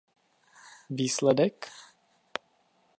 Výsledek?